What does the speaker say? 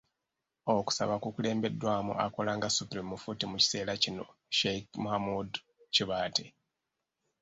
Okusaba kukulembeddwamu akola nga Supreme Mufti mu kiseera kino, Sheikh Muhamood Kibaate.